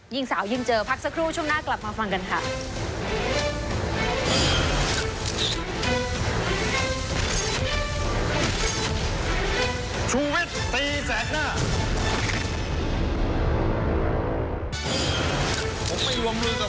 หญิงสาวยืนเจอพักสักครู่ช่วงหน้ากลับมาฟังกันค่ะ